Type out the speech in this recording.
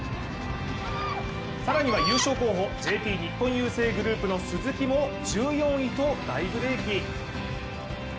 更には優勝候補、ＪＰ日本郵政グループの鈴木も１４位と大ブレーキ。